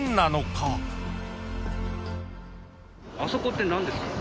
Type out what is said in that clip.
あそこって何ですか？